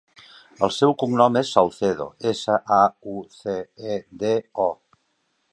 El seu cognom és Saucedo: essa, a, u, ce, e, de, o.